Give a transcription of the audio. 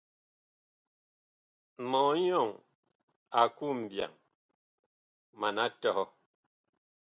Mɔnyɔŋ a ku mbyaŋ, mana tɔhɔ.